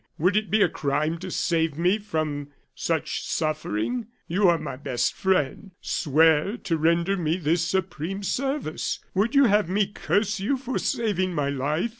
Would it be a crime to save me from such suffering? You are my best friend; swear to render me this supreme service. Would you have me curse you for saving my life?"